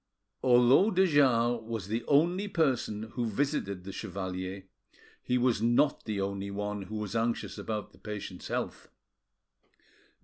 Although de Jars was the only person who visited the chevalier, he was not the only one who was anxious about the patient's health.